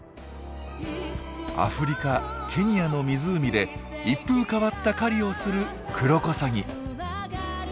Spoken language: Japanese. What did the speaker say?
アフリカケニアの湖で一風変わった狩りをするクロコサギ。